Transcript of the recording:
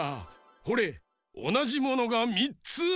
ほれおなじものが３つあるぞ。